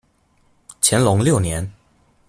乾隆六年。